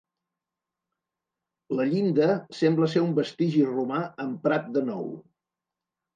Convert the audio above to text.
La llinda sembla ser un vestigi romà emprat de nou.